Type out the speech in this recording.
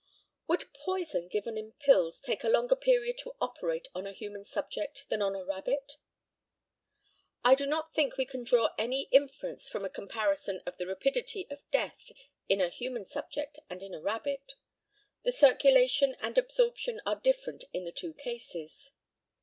Would poison given in pills take a longer period to operate on a human subject than on a rabbit? I do not think we can draw any inference from a comparison of the rapidity of death in a human subject and in a rabbit. The circulation and absorption are different in the two cases.